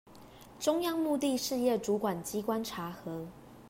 中央目的事業主管機關查核